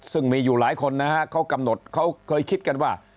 ซึ่งมีอยู่หลายคนนะฮะเขากำหนดเขาเคยคิดกันว่า